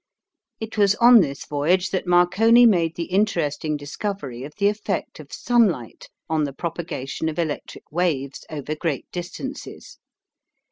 It was on this voyage that Marconi made the interesting discovery of the effect of sunlight on the propagation of electric waves over great distances.